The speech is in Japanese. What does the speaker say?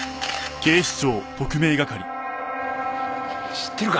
知ってるか？